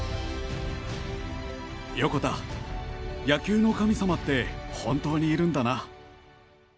横田、野球の神様って本当にいるんだな。